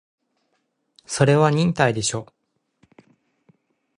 それは押忍でしょ